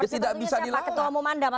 tidak bisa dilarang